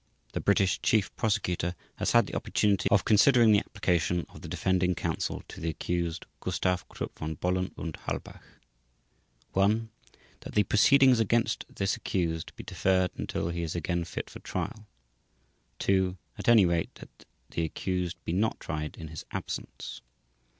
The British Chief Prosecutor has had the opportunity of considering the application of the Defending Counsel to the accused GUSTAV KRUPP VON BOHLEN UND HALBACH: 1) that the proceedings against this accused be deferred until he is again fit for trial; 2) at any rate, that the accused be not tried in his absence.